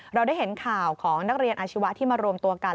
เราได้เห็นข่าวของนักเรียนอาชีวะที่มารวมตัวกัน